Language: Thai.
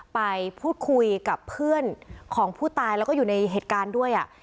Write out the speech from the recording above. ไปพูดคุยกับเพื่อนของผู้ตายแล้วก็อยู่ในเหตุการณ์ด้วย